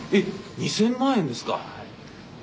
２，０００万円ですか。